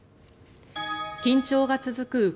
緊張が続く